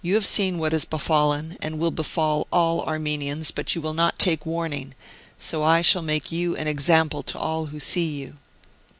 42 Martyred Armenia have seen what has befallen, and will befall, all Armenians, but you will not take warning, so I shall make you an example to all who see you."